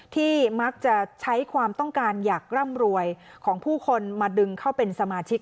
ที่มักจะใช้ความต้องการอยากร่ำรวยของผู้คนมาดึงเข้าเป็นสมาชิก